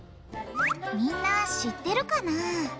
みんな知ってるかな？